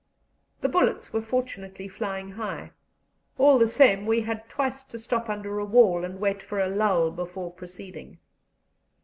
The bullets were fortunately flying high; all the same, we had twice to stop under a wall and wait for a lull before proceeding.